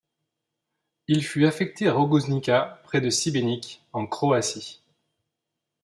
Il fut affecté à Rogoznica près de Šibenik, en Croatie.